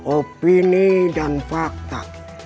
opini dan fakta